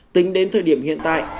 tính đến thời điểm hiện tại